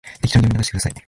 適当に読み流してください